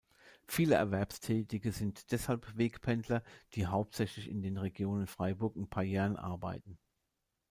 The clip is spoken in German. Viele Erwerbstätige sind deshalb Wegpendler, die hauptsächlich in den Regionen Freiburg und Payerne arbeiten.